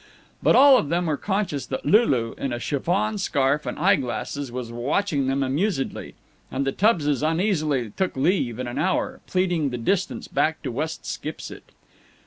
But all of them were conscious that Lulu, in a chiffon scarf and eye glasses, was watching them amusedly, and the Tubbses uneasily took leave in an hour, pleading the distance back to West Skipsit.